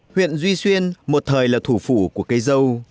huyện duy xuyên một thời là thủ phủ của cây dâu